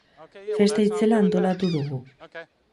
Festa itzela antolatu dugu.